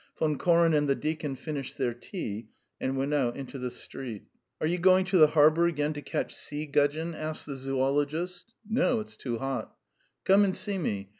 Von Koren and the deacon finished their tea and went out into the street. "Are you going to the harbour again to catch sea gudgeon?" asked the zoologist. "No, it's too hot." "Come and see me.